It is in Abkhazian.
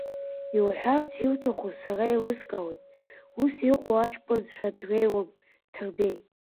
Иуҳәарц иуҭаху сара еилыскаауеит, ус иҟоу аҷкәынцәа дреиуам Ҭырбеи.